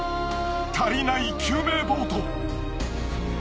［足りない救命ボート］